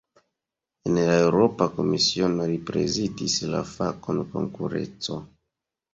En la Eŭropa Komisiono, li prezidis la fakon "konkurenco".